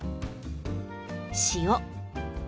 塩。